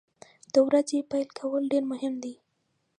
د ورځې پیل کول ډیر مهم دي.